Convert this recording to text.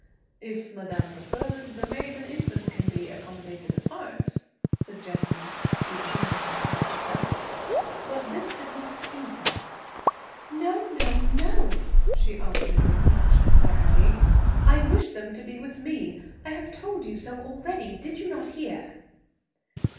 "If madame prefers, the maid and infant can be accommodated apart," suggested the obliging conductor. But this did not please her. "No, no, no," she answered with much asperity. "I wish them to be with me. I have told you so already; did you not hear?"